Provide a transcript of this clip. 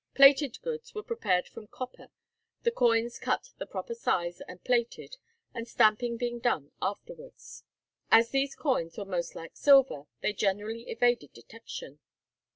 Plated goods were prepared from copper; the coins cut the proper size and plated, the stamping being done afterwards. As these coins were most like silver, they generally evaded detection.